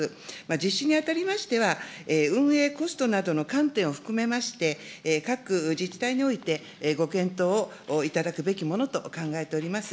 実施にあたりましては、運営コストなどの観点を含めまして、各自治体において、ご検討を頂くべきものと考えております。